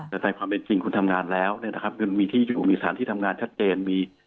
แต่ในความจริงคุณทำงานแล้วคุณมีที่อยู่มีสถานที่ทำงานชัดเจน